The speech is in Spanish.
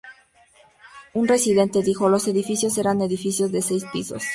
Un residente dijo ""Los edificios eran edificios de seis pisos.